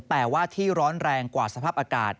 แต่ว่าที่ร้อนแรงกว่าสภาพอากาศ